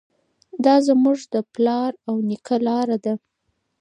دا زموږ د پلار او نیکه لاره ده.